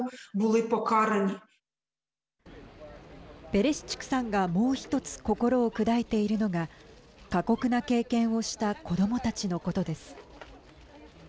ベレシチュクさんがもう１つ心を砕いているのが過酷な経験をした子どもたちのことです。